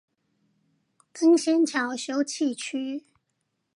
登仙橋休憩區